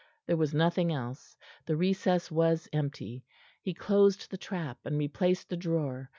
There was nothing else. The recess was empty. He closed the trap and replaced the drawer.